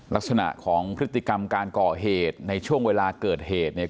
ลักษณะของพฤติกรรมการก่อเหตุในช่วงเวลาเกิดเหตุเนี่ย